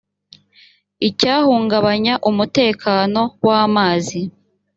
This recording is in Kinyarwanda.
icyahungabanya umutekano w amazi